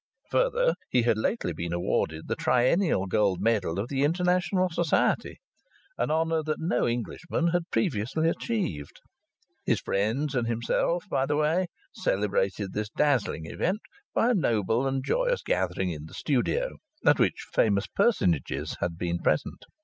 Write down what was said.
Further, he had lately been awarded the Triennial Gold Medal of the International Society, an honour that no Englishman had previously achieved. His friends and himself had, by the way, celebrated this dazzling event by a noble and joyous gathering in the studio, at which famous personages had been present.